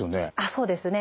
そうですね。